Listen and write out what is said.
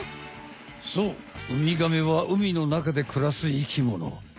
そうウミガメは海の中でくらす生きもの。